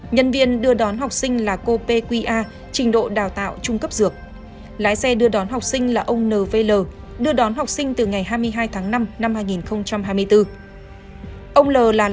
nhân viên đưa đón học sinh là cô ntp sinh năm một nghìn chín trăm sáu mươi sáu trình độ đào tạo đại học sư phạm mầm non